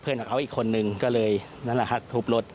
เพื่อนของเขาอีกคนหนึ่งก็เลยนั่นแหละครับทูบรถ